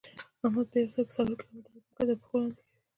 احمد په یوه ساعت کې څلور کیلو متېره ځمکه ترپښو لاندې کوي.